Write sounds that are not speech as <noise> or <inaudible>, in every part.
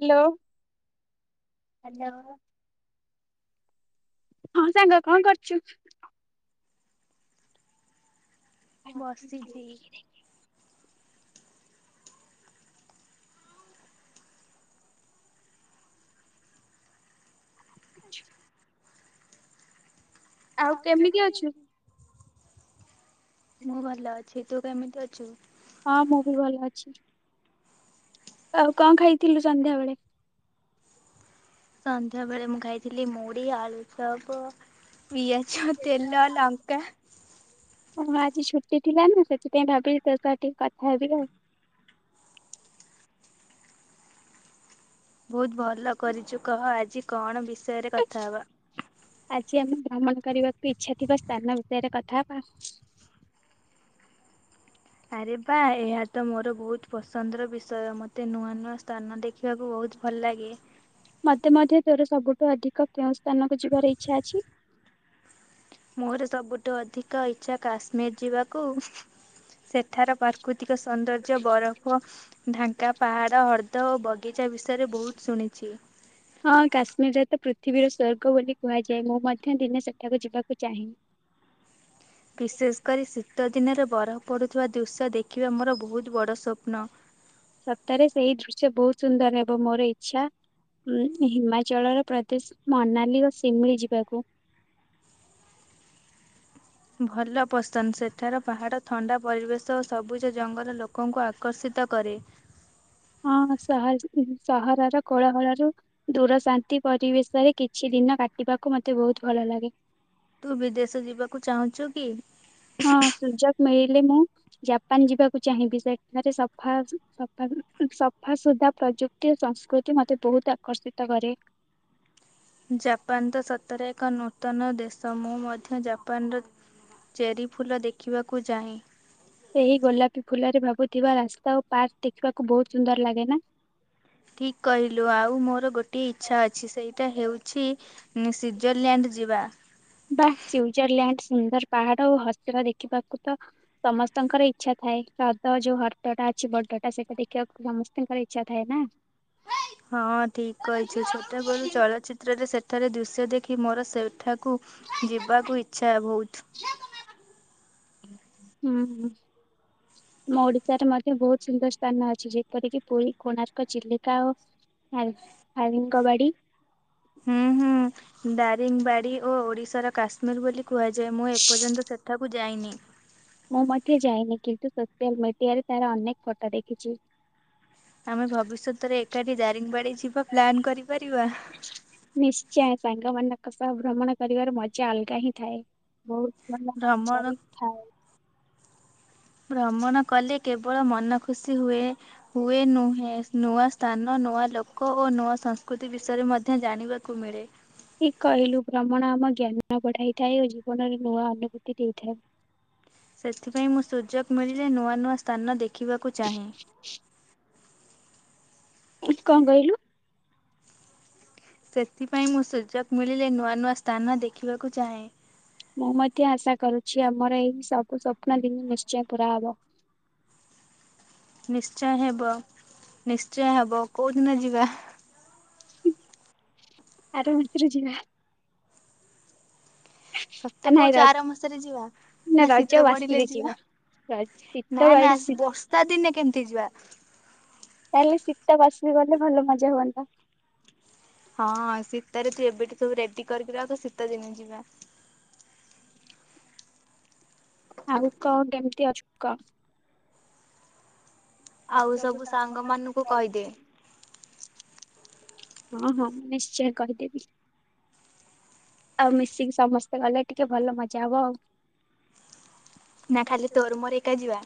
Hello hello <inaudible> ହଁ ସାଙ୍ଗ କଣ କରୁଚୁ? <inaudible> ବସିଛି। <inaudible> ଛୁ ଆଉ କେମିତି ଅଛୁ? ମୁଁ ଭଲ ଅଛି ତୁ କେମିତି ଅଛୁ? ହଁ ମୁଁ ବି ଭଲ ଅଛି। ଆଉ କଣ ଖାଇଥିଲୁ ସନ୍ଧ୍ୟାବେେଳେ? ସନ୍ଧ୍ୟା ବେଳେ ମୁଁ ଖାଇଥିଲି ମୁଡି, ଆଳୁଚପ ପିଆଜ, ତେଲ, ଲଙ୍କା ଜି ଛୁଟି ଥିଲା ନା ସେଥିପାଇଁ ଭାବିଲି ତୋ ସହ ଟିକେ କଥା ହେବି ଆଉ। ବହୁତ ଭଲ କରିଛୁ କହ ଆଜି କଣ ବିଷ ଷୟରେ କଥା ହବା? ଆଜି ଆମେ ଭ୍ରମଣ କରିବାକୁ ଇଚ୍ଛା ଥିବା ସ୍ଥାନ ବିଷୟରେ କଥା ହବା। ଆରେ ବା ଏହା ତ ମୋର ବହୁତ ପସନ୍ଦର ବିଷୟ ମତେ ନୂଆ ନୂଆ ସ୍ଥାନ ଦେଖିବାକୁ ବହୁତ ଭଲ ଲାଗେ। ମୋତେ ମଧ୍ୟ ତୋର ସବୁଠୁ ଅଧିକ କେଉଁ ସ୍ଥାନକୁ ଯିବାର ଇଚ୍ଛା ଅଛି? ମୋର ସବୁଠୁ ଅଧି କ ଇଚ୍ଛା କାଶ୍ମୀର ଯିବାକୁ ସେଠାର ପ୍ରାକୃତି କ ସୌନ୍ଦର୍ଯ୍ୟ ବରଫ ଢାଙ୍କା ପାହାଡ ହ୍ରଦ ଦ ଓ ବଗିଚା ବିଷୟରେ ବହୁତ ଶୁଣିଛି। ହଁ କାଶ୍ମୀରରେ ତ ପୃଥିବୀର ସ୍ୱର୍ଗ ବୋଲି କୁହାଯାଏ ମୁଁ ମଧ୍ୟ ଦିନେ ସେଠାକୁ ଯିବାକୁ ଚାହେଁ। ବିଶେଷ କରି ଶୀତ ଦିନରେ ବରଫ ପଡୁଥିବା ଦୃଶ୍ୟ ଦେଖିବା ମୋର ବହୁତ ବଡ ସ୍ୱପ୍ନ। ସତରେ ସେଇ ଦୃଶ୍ୟ ବହୁତ ସୁନ୍ଦର ହେବ ମୋର ଇଚ୍ଛା ଉଁ ହିମାଚଳର ପ୍ରଦେଶ ମନାଲି ଓ ଶିମିଳି ଯିବାକୁ। ଭଲ ପସନ୍ଦ ସେଠାର ପାହାଡ ଥଣ୍ଡା ପରିବେଶ ଓ ସବୁଜ ଜଙ୍ଗଲ ଲୋକଙ୍କୁ ଆକର୍ଷିତ କରେ। ହଁ ସହରର କୋଳାହଳରୁ ଦୂର ଶାନ୍ତି ପରିବେଶରେ କିଛି ଦିନ କାଟିବାକୁ ମୋତେ ବହୁତ ଭଲ ଲାଗେ। ତୁ ବିଦେଶ ଯିବାକୁ ଚାହୁଁଛୁ କି? ହଁ ସୁଯୋଗ ମିଳିଲେ ମୁଁ ଜାପାନ ଯିବାକୁ ଚାହିଁବି ସେଠାରେ ସଫା ସଫା ସଫା ସୁଧା ପ୍ରଯୁକ୍ତି ଓ ସଂସ୍କୃତି ମତେ ବହୁତ ଆକର୍ଷିତ କରେ। ଜାପାନ ତ ସତରେ ଏକ ନୂତନ ଦେଶ ମୁଁ ମଧ୍ୟ ଜାପାନର ଚେରିଫୁଲ ଦେଖିବାକୁ ଚାହେଁ। ସେହି ଗୋଲାପୀ ଫୁଲରେ ଭାବୁଥିବା ରାସ୍ତା ଓ ପାର୍କ ଦେଖିବାକୁ ବହୁତ ସୁନ୍ଦର ଲାଗେ ନା। ଠିକ କହିଲୁ ଆଉ ମୋର ଗୋଟେ ଇଚ୍ଛା ଅଛି ସେଇଟା ହେଉଛି ସ୍ଵିଜରଲ୍ୟାଣ୍ଡ ଯିବା। ବା ସ୍ଵିଜରଲ୍ୟାଣ୍ଡ ସୁନ୍ଦର ପାହାଡ ଓ ହସର ଦେଖିବାକୁ ତ ସମସ୍ତଙ୍କର ଇଚ୍ଛା ଥାଏ ହ୍ରଦ ଯୋଉ ହ୍ରଦଟା ଅଛି ବଡଟା ସେଇଟା ଦେଖିବାକୁ ସମସ୍ତଙ୍କର ଇଚ୍ଛା ଥାଏ ନା। ହଁ ଠିକ କହିଛୁ ଛୋଟବେଳୁ ଚଳଚ୍ଚିତ୍ରରେ ସେ ରେ ଦୃଶ୍ୟ ଦେଖି ମୋର ସେଠା କୁ ଯିବାକୁ ଇଛା ଇଚ୍ଛା ବହୁତ। ହୁଁ ଆମ ଓଡିଶାରେ ମଧ୍ୟ ବହୁତ ସୁନ୍ଦର ସ୍ଥାନ ଅଛି ଯେପରିକି ପୁରୀ କୋଣାର୍କ ଚିଲିକା ଆଉ ଦାରିଙ୍ଗବାଡି। ହୁଁ ହୁଁ ଦାରିଙ୍ଗବାଡି ଓ ଓଡ଼ିଶାର କାଶ୍ମୀର ବୋଲି କୁହାଯାଏ ମୁଁ ଏପର୍ଯ୍ୟନ୍ତ ସେଠାକୁ ଯାଇନି। ମୁଁ ମଧ୍ୟ ଯାଇନି କିନ୍ତୁ ସୋସିଆଲ ମିଡିଆରେ ତାର ଅନେକ ଫଟୋ ଦେଖିଛି। ଆମେ ଭବିଷ୍ୟତରେ ଏକାଠି ଦାରିଙ୍ଗବାଡି ଯିବା ପ୍ଲାନ୍ କରିପାରିବା? <inaudible> ନିଶ୍ଚୟ ସାଙ୍ଗମାନଙ୍କ ସହ ଭ୍ରମଣ କରିବାର ମଜା ଅଲଗା ହିଁ ଥାଏ ବହୁତ ମାନେ ମଜା ଭ୍ରମଣ ହେଇ। ଭ୍ରମଣ କଲେ କେବଳ ମନ ଖୁସି ହୁଏ ହୁଏ ନୁହେଁ ନୂଆ ସ୍ଥାନ ନୂଆ ଲୋକ ଓ ନୂଆ ସଂସ୍କୃତି ବିଷୟରେ ମଧ୍ୟ ଜାଣିବା କୁ ମିଳେ। ଠିକ୍ କହିଲୁ ଭ୍ରମଣ ଆମ ଜ୍ଞାନ ବଢାଇଥାଏ ଓ ଜୀବନରେ ନୂଆ ଅନୁଭୂତି ଦେଇଥାଏ। ସେଥିପାଇଁ ମୁଁ ସୁଯୋଗ ମିଳିଲେ ନୂଆ ନୂଆ ସ୍ଥାନ ଦେଖିବାକୁ ଚାହେଁ। <inaudible> କଣ କହିଲୁ? ସେଥିପାଇଁ ମୁଁ ସୁଯୋଗ ମିଳିଲେ ନୂଆ ନୂଆ ସ୍ଥାନ ଦେଖିବାକୁ ଚାହେଁ। ମୁଁ ମଧ୍ୟ ଆଶା କରୁଛି, ଆମର ଏଇ ସବୁ ସ୍ୱପ୍ନ ଦିନ ନିଶ୍ଚୟ ପୁରା ହବ। <inaudible> ନିଶ୍ଚୟ ହେବ। <inaudible> ନିଶ୍ଚୟ ହବ କୋଉଠି ଦିନ ଯିବା। <inaudible> ଆର ୱିକ୍ ରେ ଯିବା। ସତ ଆ ନାଇଁ କହୁଚ ର ଆର ମାସରେ ଯିବା, ନା ଶୀତ ପଡିଲେ ଯିବା, ର ଶୀତ ନା ନା ବାଡି ଶୀ ବର୍ଷା ଦିନେ କେମତି ଯିବା। ତାଲେ ଶୀତା ବାସିବି ଗଲେ ଭଲ ମଜା ହୁଅନ୍ତା। ହଁ ସୀତରେ ତୁ ଏବେଠୁ ସବୁ ରେ୍ ତି କରିକି ଆଉ ତ ଶୀତ ଦିନେ ଯିବା। <inaudible> ଆଉ କଣ କେମତି ଅଛୁ? କ୍ ଆଉ ସବୁ ସାଙ୍ଗ ସାଙ୍ଗମାନେ ମାନଙ୍କୁ କହିବେ। କହିଦେ <inaudible> ହଁ ହଁ ମୁଁ ନିଶ୍ଚୟ କହିଦେବି, <inaudible> ଆଉ ମିଶିକି ସମସ୍ତେ ଗଲେ ଟିକେ ଭଲ ମଜା ହବ ଆଉ। ନା ଖାଲି ତୋର ଏକା ଯିବା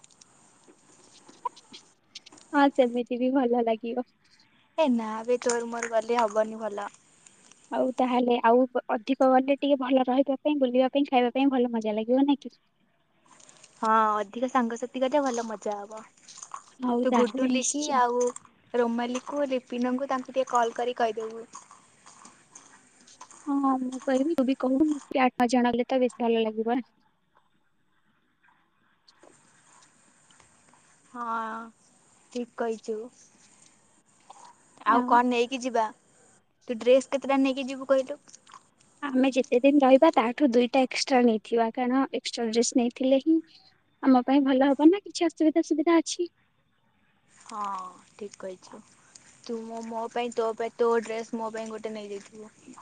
<inaudible> <inaudible> ହଁ ସେମିତି ବି ଭଲ ଲାଗିବ। ଏ ନା ଏ ବେ ତୋର ମୋର ଗଲେ ହବନି ଭଲ। ଆଉ ତାହେଲେ ଆଉ ଅଧିକ ଗେଲେ ଟିକେ ଭଲ ରହିବା ପାଇଁ ବୁଲିବା ପାଇଁ ଖାଇବା ପାଇଁ ଭଲ ମଜା ଲାଗିବ ନାଇଁ କି। ହଁ ଅଧିକ ସାଙ୍ଗସାଥି ଗଲେ ଭଲ ମଜା ହବ <inaudible> ହଉ ତୁ ଗୁଡୁ ତାହେଲେ ଲିକି ନିଶ୍ଚୟ ଆଉ ରୋମାଲି କୁ ଲିପିନଙ୍କୁ ତାଙ୍କୁ ଟିକେ କଲ କରି କହିଦେବୁ। <inaudible> ହଁ ମୁଁ କହିବି ତୁ ବି କହିବୁ ଆଠ ନ ଜଣ ହେଲେ ତ ବେଶୀ ଭଲ ଲାଗିବ ନା <inaudible> ହଁ ଠିକ କହିଚୁ <inaudible> ଆଉ କଣ ନେଇକି ଯିବା? ତୁ ଡ୍ରେସ କେତେଟା ନେଇକି ଯିବୁ କହିଲୁ? ଆମେ ଯେତେ ଦିନ ରହିବା ତାଠୁ ଦିଇଟା ଏକ୍ସଟ୍ରା ନେଇଥିବା କାରଣ ଏକ୍ସଟ୍ରା ଡ୍ରେସ ନେଇଥିଲେ ହିଁ ଆମ ପାଇଁ ଭଲ ହବ ନା କିଛି ଅସୁବିଧା ସୁବିଧା ଅଛି। <inaudible> ହଁ ଠିକ କହିଚୁ ତୁ ମୋ ପାଇଁ ତୋ ପାଇଁ ତୋ ଡ୍ରେସ ମୋ ପାଇଁ ଗୋଟେ ନେଇଯାଇଥି।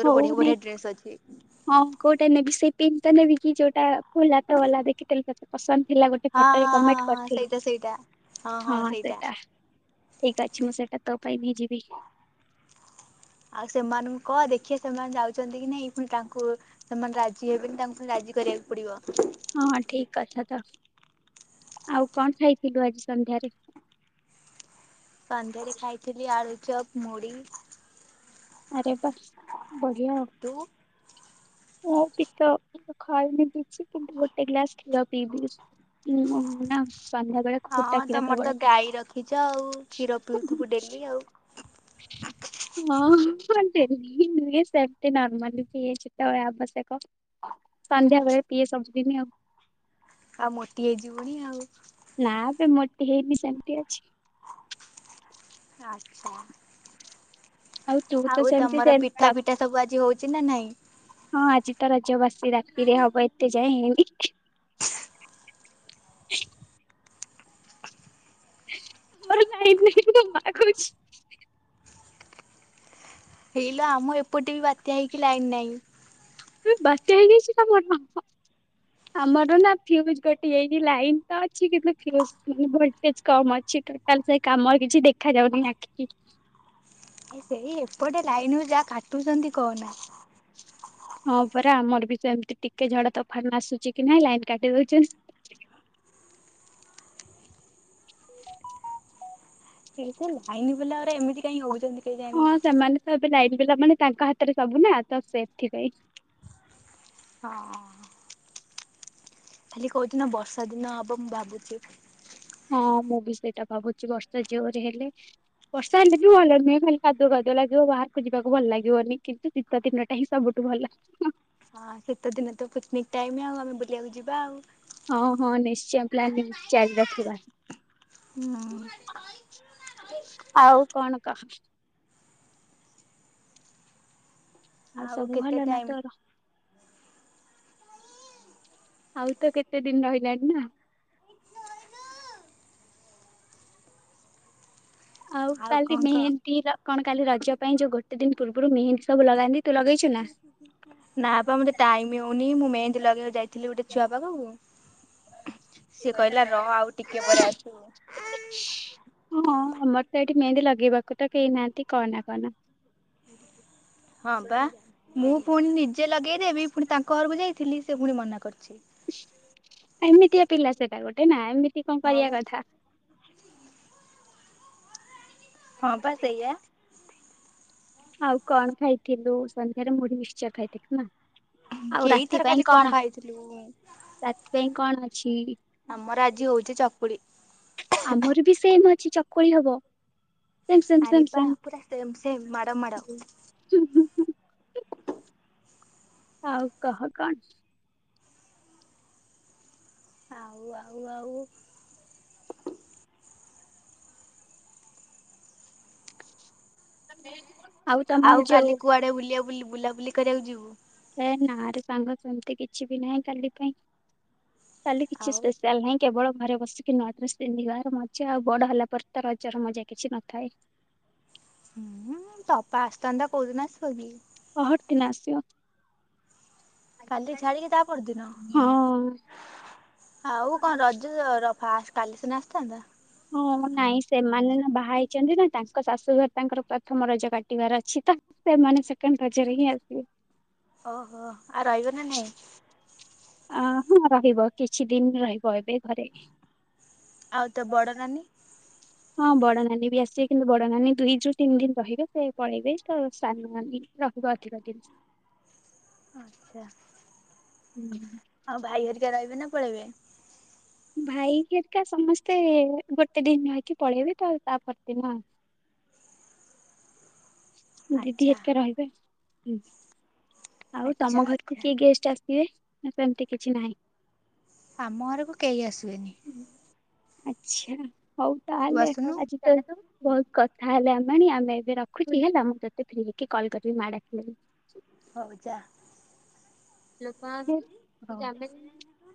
ତୋର ହଉ ବଢିଆ ନେଇ ବଢିଆ ଡ୍ରେସ୍ ଅଛି। ହଁ କୋଉଟା ନେବି ସେଇ ପିନ୍ ନେବ କିି ଯୋଉଟା ପୋଲା ତା ଓଲା ଦେଖିେଥିଲି ତୋତେ ପସନ୍ଦ ହେଲା ଗୋଟେ ହଁ ଫଟୋରେ ହଁ ହଁ କମେଣ୍ଟ ହଁ କରିଥିଲୁ ସେଇଟା ସେଇଟା ହଁ ସେଟା ଠିକ ଅଛି ମୁଁ ସେଟା। ତୋ ପାଇଁ ନେଇ ଯିବି କି? ଆଉ ସେମାନଙ୍କୁ କ ଦେଖିେଵେ ସେମାନେ ଯାଉଛନ୍ତି କି ନାଇ ପୁଣି ତାଙ୍କୁ ସେମାନେ ରାଜି ହେବେନି ତାଙ୍କୁ ପୁଣି ରାଜି କରିବାକୁ ହଁ ପଡିବ। ଠିକ କଥା ତ ଆଉ କଣ ଖାଇଥିଲୁ ଆଜି ସନ୍ଧ୍ୟାରେ ସନ୍ଧ୍ୟାରେ ଖାଇଥିଲି ଆଳୁ ଚପ୍ ମୁଡ଼ି ଆରେ ବା ବଢିଆ ଉ ତୁ? ମୁଁ ବି ତ ଖାଇନି କିଛି ଗୋଟେ ଗ୍ଲାସ କ୍ଷୀର ପିଇବି ନା। ସନ୍ଧ୍ୟା ବେଳେ ଫୁଟା ହଁଁ କ୍ଷୀର ତମର ତ କେବଳ ପିଏ। ଗାଈ ରଖିଛ ଆଉ କ୍ଷୀର ପିଉଥିବୁ ଡେଲି ଆଉ। ହଁ ହଁ ନୁହେଁ ସେମତି ନର୍ମାଲି ପିଏ ଯେତେବେଳେ ଆବଶ୍ୟକ ସନ୍ଧ୍ୟାବେେଳେ ପିଏ ସବୁଦିନି ଆଉ। ଆଉ ମୋଟି ହେଇଯିବୁଣି ଆଉ। ହେଇ ବନୀ ସେମିତି ଅଛି। ହଁ ତୁ ତ ଆଉ ସେମିତି ତମର ସେମତି ପିଠା ପିଠା ସବୁ ଆଜି ହଉଛି। ଛି ନା ନାଇଁ ହଁ ଆଜି ତ ରାଜ୍ୟବାସୀ ରାତିରେ ହବ ଏତେ ଯାଏି <inaudible> ଆର ନାାଇାଇ ମା କୁଛି ହେଇଲ ଆମ ଏପଟେ ବି ବାତ୍ୟା ହେଇକି ଲାଇନ ନାହିଁ। ବାତ୍ୟା ହେଇଯାଇଛି ଆମର ନା ଫଜ ଗୋେ ହେଇ ଲାଇ ତ ଅଛି କିନ୍ତ ଅଛିଟାଲ କାମ କିଛି ଦେଖ ଯାଉନି। ସେଇ ଏପଟେ ଲାଇନ ଯାହା କାଟୁଛନ୍ତି କହନା ହଁ ପରା ଆମର ବି ତ ଏମତି ଟିକେ ଝଡା ତଫାନ ଆସୁଛି କି ନାଇଁ ଲାଇନ୍ କାଟି ଦଉଛନ୍ତି। ସେ ସେ ଲାଇନ ବରେ ଏମିତି କାଇହିଁ ହଉଛନ୍ତି। କେଜାଣି। ହଁ ସେମାନେ ତ ଏବେ ଯାଇ ପିଲାମାନେ ତାଙ୍କ ହାତରେ ସବୁ ନା ତ ସେ ସେଥିପାଇଁ ହଁ ଖାଲି କହୁଛି ନା ବର୍ଷା ଦିନ ହବ ମୁଁ ଭାବୁଛି ହଁ ମୁଁ ବି ସେଇଟା ଭାବୁଛି ବର୍ଷା ଜୋରେ ହେଲେ ବର୍ଷା ହେଲେ ବି ଭଲ ନୁହେଁ ଖାଲି କାଦୁଅ କାଦୁଆ ଲାଗିବ ବାହାରକୁ ଯିବାକୁ ଭଲ ଲାଗିବନି କିନ୍ତୁ ଶୀତ ଦିନ ଟା ହିଁ ସବୁଠୁ ଭଲ ଲାଗିବ। ହଁ ସେୀତେ ଦିନ ତ ପିକନିକ ଟାଇମ ଆଉ ଆମେ ବୁଲିବାକୁ ଯିବା ଆଉ ହଁ ହଁ ନିଶ୍ଚୟ ପ୍ଲାାନିଂ ଚଲି ରଖିବ ହୁଁ। ଆଉ କଣ କହ ଆଉ ସବୁ କେତେ ଭଲ ନା ଟାଇମ ତୋର ଆଉ ତ କେତେ ଦିନ ରହିଲାଣି ନା ଆଉ କାଲି କଣ କହ? ନେହେ ତୀରା କଣ କାଲି ରଜ ପାଇଁ ଯୋଉ ଗୋଟ ଦିନୂର୍ବରୁ ମେହେନ୍ଦି ସବୁ ଲଗାନ୍ତି ତୁ ଲଗେଇଛୁ ନା? ନା ବା ମୁତ ଟାଇମଉନି ମୁଁ ମେନ୍ଦି ଲଗେ ଯାଇ ଥିଲେ ଗୋଟେ ଛୁଆ ପାଖକୁ <inaudible> କହିଲା ର ଆଉ ଟିକେ ପରେ ଆସିବୁ ହଁ ଆମର ତ ଏଇଠି ମେହେନ୍ଦୀ ଲାଗୁ ଲଗେଇବାକୁ ତ କେହି ନାହାନ୍ତି କନା କନା। ହଁ ବା ମୁଁ ପୁଣି ନିଜେ ଲଗେଇ ପୁଣି ତାଙ୍କ ଘରକୁ ଯାଇଥିଲି ସେ ପୁଣି ମନା କରୁଛି। ଏମିତିଆ ପିଲା ସେଟ ଗୋଟେ ନା ଏମତି ଟ କଣ ହଁ କରିବା ବା। କଥା? ହଁ ବା ସେଇଆ। ଆଉ କଣ ଖାଇଥିଲୁ? ସନ୍ଧ୍ୟାରେ ମୁଢି ମିଶା ଖାଇଥିଲି ନା। ଆଉ ରାତି ଏଇଥର ଖାଲି ପାଇଁ କଣ ଖାଇଥିଲୁ ରାତି ପାଇଁ କଣ ଅ ଚ୍ଛି ଆମର ଆଜି ହଉଛି ଚକୁଳି। ଆମର ବି ସେମ ଅଛି ଚକୁଳି ହବ। ସେମ୍ ସେମ୍ ଆରେ ସେମ୍ ବା ସେମ୍। ପୁରା ସେମ ସେମ୍ ମାଡ଼ ମାଡ଼। ଆଉ କହ କଣ? ଆଉ ଆଉ ଆଉ। <unintelligible> ଆଉ ଯୋଉ କାଲି କୁଆଡେ ବୁଲିବା ବୁଲି ବୁଲାବୁଲି କରିବାକୁ ଯିବୁ? ହେ ନା ରେ ସାଙ୍ଗ ସେମିତି କିଛି ବି ନାହିଁ କାଲି ପାଇଁ। କାଲି କିଛି ଆଉ ସ୍ପେଶାଲ ନାହିଁ କେବଳ ଘରେ ବସିକି ନୂଆ ଡ୍ରେସ ପିନ୍ଧିବାର ମଜା ଆଉ ବଡ ହେଲା ପରେ ତ ରଜର ମଜା କିଛି ନଥାଏ। ହୁଁ ତ ଅପା ଆସିଥାନ୍ତା କହୁଦିନ ଆସିବ କି? ପହର ଦିନଆସିବ। କାଲି ଛାଡିକି ତା ପରଦିନ ହଁ ଆଉ କଣ ରଜ ର ଫାଷ୍ଟ କାଲି ସିନା ଆସିଥାନ୍ତା। ହଁ ନାଇଁ ସେମାନେ ନା ବାହା ହେଇଛନ୍ତି ନା ତାଙ୍କ ଶାଶୁଘର ତାଙ୍କର ପ୍ରଥମ ରଜ କାଟିବାର ଅଛି ତ ସେମାନେ ସେକେଣ୍ଡ ରଜରେ ହିଁ ଆସିବେ। ଓହୋ ଆ ରଇବ ନା ନାଇଁ? ଅ ହଁ ରହିବ କିଛି ଦିନ ରହିବ ଏବେ ଘରେ। ଆଉ ତ ବଡ଼ ନା। ହଁ ବଡ ନାନୀ ବି ଆସିବେ କିନ୍ତୁ ବଡ ନାନୀ ଦୁଇ ରୁ ତିନି ଦିନ ରହିବେ ସେ ପଳେଇବେ ତ ସାନ ନାନୀ ରହିବ ଅଧିକ ଦିନ। ଆଚ୍ଛା। ଆଉ ଭାଇ ହେରିକା ରହିବେ ନା ପଳେଇବେ। ଭାଇ ହେରିକା ସମସ୍ତେ ଗୋଟେ ଦିନ ରହିକି ପଳେଇବେ ତ ତାପଦିନ। ଦିଦି ଆଚ୍ଛା ହେରୀକା ରହିବେ। ହୁଁ। ଆଉ ଆଚ୍ଛା ତମ ଘରକୁ ଆଚ୍ଛା କିଏ ଗେଷ୍ଟ ଆସ। କିଏ ସେମିତି କିଛି ନାହିଁ। ଆମ ଘରକୁ କେହି ଆସୁବେନି। ଆଛା। ହଉ ତୁ ତାହେଲେ ଆସୁନୁ। ଆଯି। ବହୁତ କଥା ହେଲେ ଆମଣି ଆମେ ଏବେ ରଖୁଛ ହେଲା। ତତେ ଫ୍ରି ହେଇକି କଲ୍ କରିବି ମା ଡାକିଲେ। ହଉ ଯା। ଲୋକ ଜମିଲ।